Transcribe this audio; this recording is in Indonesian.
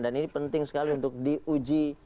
dan ini penting sekali untuk diuji